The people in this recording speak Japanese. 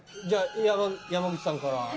じゃあ山口さんから。